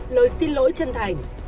lời xin lỗi chân thành